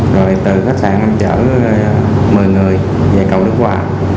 rồi từ khách sạn em chở một mươi người về cầu đức hòa